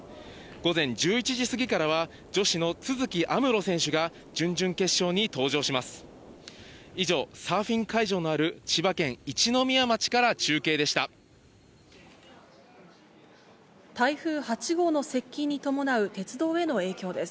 午前１１時過ぎからは女子の都筑有夢路選手が準々決勝に登場します。